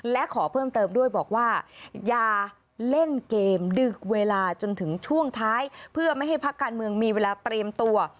และขอเพิ่มเติมด้วยบอกว่าอย่าเล่นเกมดึกเวลาจนถึงช่วงท้ายเพื่อไม่ให้พักการเมืองมีเวลาเตรียมตัว